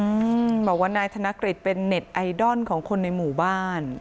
อืมบอกว่านายธนกฤษเป็นเน็ตไอดอลของคนในหมู่บ้าน